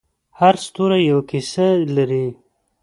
هر ستوری یوه کیسه لري.